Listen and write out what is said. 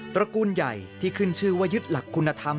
ระกูลใหญ่ที่ขึ้นชื่อว่ายึดหลักคุณธรรม